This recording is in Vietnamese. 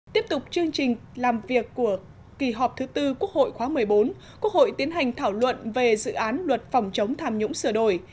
tiếp tục chương trình làm việc của kỳ họp thứ tư quốc hội khóa một mươi bốn quốc hội tiến hành thảo luận về dự án luật phòng chống tham nhũng sửa đổi